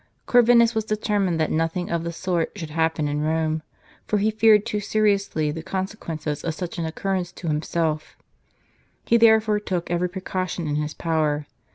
Corvinus was determined that nothing of the sort should happen in Rome ; for he feared too seriously the conse quences of such an occurrence to himself; he therefore took every precaution in his power.